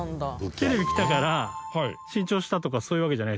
テレビ来たから新調したとかそういうわけじゃないですか？